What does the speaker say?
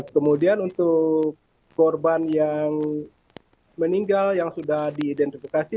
kemudian untuk korban yang meninggal yang sudah diidentifikasi